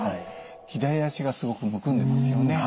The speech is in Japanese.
左足がすごくむくんでますよね。